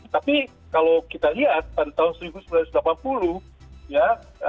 tapi kalau kita lihat pada tahun seribu sembilan ratus delapan puluh ya